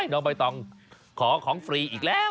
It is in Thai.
น้องใบตองขอของฟรีอีกแล้ว